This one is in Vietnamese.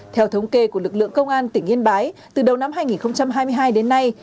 theo thống kê của lực lượng công an tỉnh yên bái từ đầu năm hai nghìn hai mươi hai đến nay